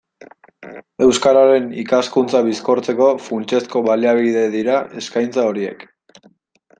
Euskararen ikaskuntza bizkortzeko funtsezko baliabide dira eskaintza horiek.